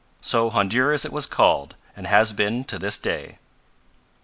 So Honduras it was called, and has been to this day.